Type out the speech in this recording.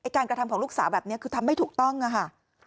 การกระทำของลูกสาวแบบนี้คือทำไม่ถูกต้องค่ะ